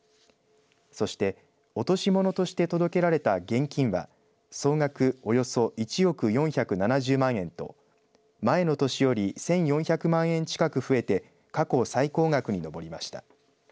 そして落とし物として届けられた現金は総額およそ１億４７０万円と前の年より１４００万円近く増えて過去最高額に上りました。